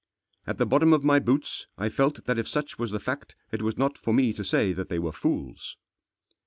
At the bottom of my boots I felt that if such was the fact it was not for me to say that they were fools.